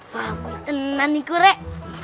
wah kucing naniku rek